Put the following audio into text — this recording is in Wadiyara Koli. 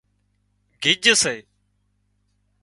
گج سي